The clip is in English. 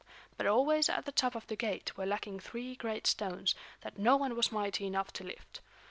But always at the top of the gate were lacking three great stones that no one was mighty enough to lift.